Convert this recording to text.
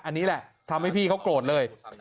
อันนี้แหละทำให้พี่เขาโกรธเลย